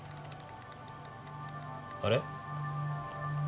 あれ？